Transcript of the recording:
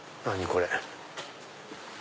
これ。